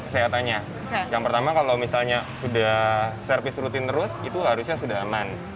sehatnya yang pertama kalau misalnya sudah service rutin terus itu harusnya sudah aman